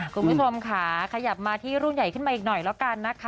คุณผู้ชมค่ะขยับมาที่รุ่นใหญ่ขึ้นมาอีกหน่อยแล้วกันนะคะ